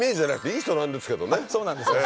そうなんですよ。